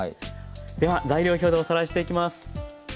では材料表でおさらいしていきます。